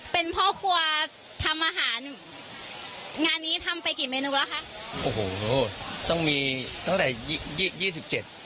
เป็นพ่อครัวทำอาหารงานนี้ทำไปกี่เมนูแล้วคะโอ้โหต้องมีตั้งแต่ยี่ยี่ยี่สิบเจ็ด